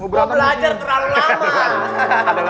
mau belajar terlalu lama